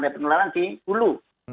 penularan di hulu